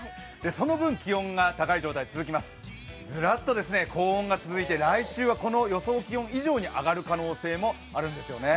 その分、気温が高い状態が続きますずらっと高温が続いて、来週はこの予想気温以上に上がる可能性もあるんですよね。